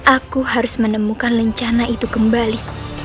aku harus menemukan lencana itu kembali